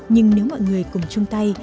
nhưng nếu mọi người cùng chung tay